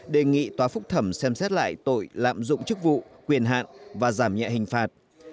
đề nghị tòa phúc thẩm xem xét lại tội lạm dụng chức vụ quyền hạn và giảm nhẹ hình phạt